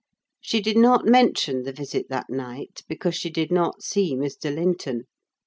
She did not mention the visit that night, because she did not see Mr. Linton.